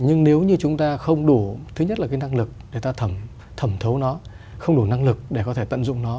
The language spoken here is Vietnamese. nhưng nếu như chúng ta không đủ thứ nhất là cái năng lực người ta thẩm thấu nó không đủ năng lực để có thể tận dụng nó